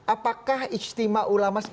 apakah istimewa ulama